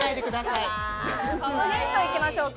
ヒント行きましょうか。